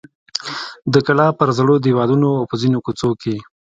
د کلا پر زړو دیوالونو او په ځینو کوڅو کې.